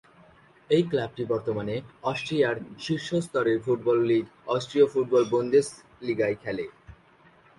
এই ক্লাবটি বর্তমানে অস্ট্রিয়ার শীর্ষ স্তরের ফুটবল লীগ অস্ট্রীয় ফুটবল বুন্দেসলিগায় খেলে।